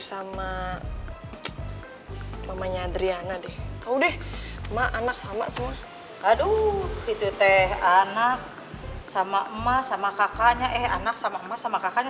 sama mamanya adriana deh kau deh emak anak sama semua aduh itu teh anak sama emas sama kakaknya